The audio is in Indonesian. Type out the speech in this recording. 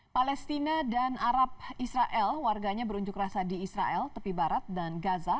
palestina dan arab israel warganya berunjuk rasa di israel tepi barat dan gaza